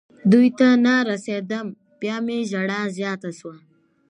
دوی ته نه رسېدم. بیا مې ژړا زیاته شوه.